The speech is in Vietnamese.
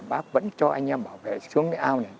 bác vẫn cho anh em bảo vệ xuống cái ao này